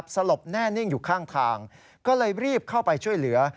สลบแน่นิ่งอยู่ข้างทางก็เลยรีบเข้าไปช่วยเหลือ